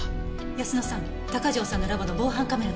泰乃さん鷹城さんのラボの防犯カメラの映像。